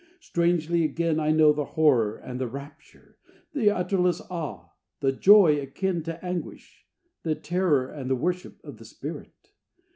Strangely Again I know the horror and the rapture, The utterless awe, the joy akin to anguish, The terror and the worship of the spirit.